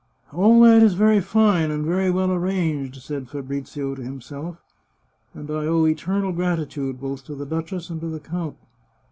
" All that is very fine, and very well arranged," said Fabrizio to himself, " and I owe eternal gratitude both to 375 The Chartreuse of Parma the duchess and to the count.